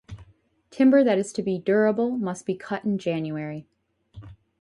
Timber that is to be durable must be cut in January.